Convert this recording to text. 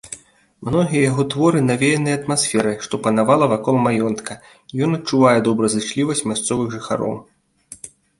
Многія яго творы навеяныя атмасферай, што панавала вакол маёнтка, ён адчувае добразычлівасць мясцовых жыхароў.